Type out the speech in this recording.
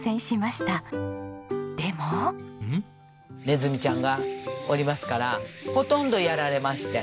ネズミちゃんがおりますからほとんどやられまして。